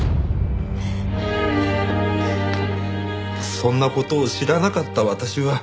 そんな事を知らなかった私は。